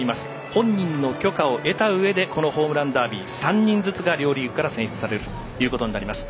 本人の許可を得たうえでこのホームランダービー３人ずつが両リーグから選出されることになります。